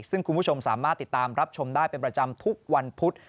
ซึ่งคุณผู้ชมสามารถติดตามรับชมได้เป็นประจำทุกวันพุธ